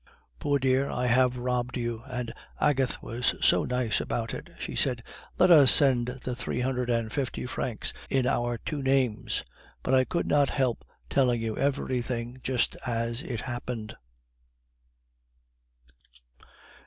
Poor dear, I have robbed you. And Agathe was so nice about it. She said, 'Let us send the three hundred and fifty francs in our two names!' But I could not help telling you everything just as it happened.